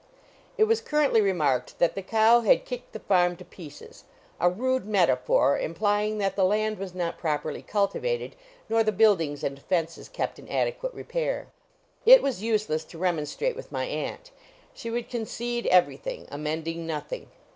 It was currently remarked that the cow had kicked the farm to pieces a rude metaphor, implying that the land was not properly cultivated, nor the buildings and fences kept in adequate repair. It was useless to remonstrate with my aunt: she would concede everything, amending nothing.